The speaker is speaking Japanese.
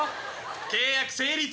契約成立。